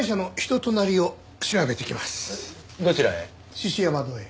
獅子山堂へ。